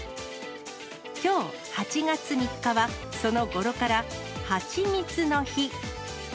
きょう８月３日は、その語呂から、はちみつの日。